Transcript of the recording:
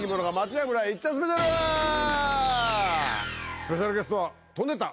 スペシャルゲストは飛んでった！